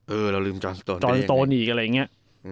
เออเราลืมจอร์นสโตนจอร์นสโตนอีกอะไรอย่างนี้